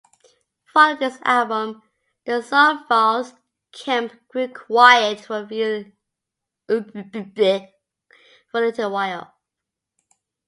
Following this album, the Solefald camp grew quiet for a little while.